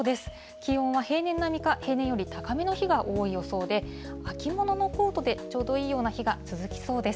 気温は平年並みか、平年より高めの日が多い予想で、秋物のコートでちょうどいいような日が続きそうです。